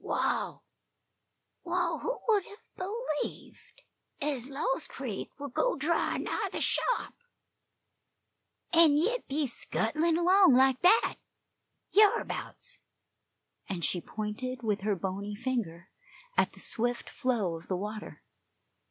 Waal, waal, who would hev b'lieved ez Lost Creek would go dry nigh the shop, an' yit be a scuttlin' along like that hyarabouts!" and she pointed with her bony finger at the swift flow of the water.